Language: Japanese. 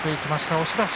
押し出し。